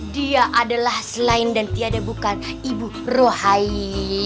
dia adalah selain dan tiada bukan ibu rohai